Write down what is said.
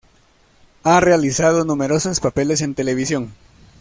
Ha realizado numerosos papeles en televisión.